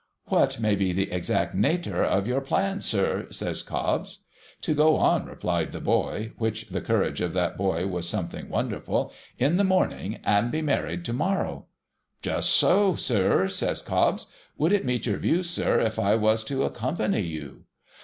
' What may be tlie exact natur of your plans, sir ?' says Cobbs. ' To go on,' replied the boy, — which the courage of that boy was something wonderful !—■' in the morning, and be married to morrow.' ' Just so, sir,' says Cobbs. ' Would it meet your views, sir, if I was to accompany you